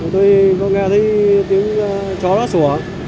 tôi có nghe thấy tiếng chó đó sủa